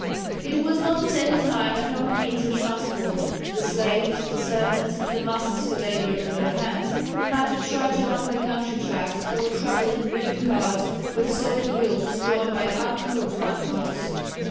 It was not at any time a common means of transport. The slaves, the servants, and the masses who laboured with their hands, had to trudge along the country tracks, or travel in rude carts with solid wheels drawn by uncouth animals.